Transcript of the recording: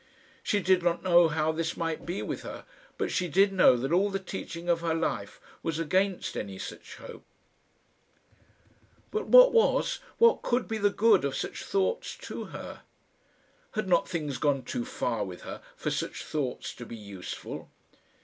She did not know how this might be with her, but she did know that all the teaching of her life was against any such hope. But what was what could be the good of such thoughts to her? Had not things gone too far with her for such thoughts to be useful?